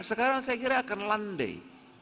sekarang saya kira akan landai